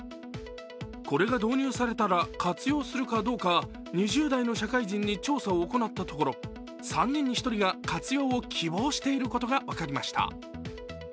これが導入されたら活用するかどうか２０代の社会人に調査を行ったところ３人に１人が活用を希望していることが分かりました。